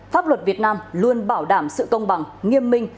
pháp luật việt nam luôn bảo đảm sự công bằng nghiêm minh